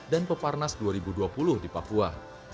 peparnas dua ribu dua puluh di papua